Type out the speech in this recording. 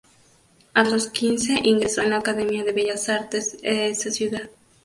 A los quince ingresó en la Academia de Bellas Artes de esa ciudad.